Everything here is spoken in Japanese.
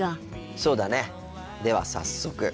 そうだねでは早速。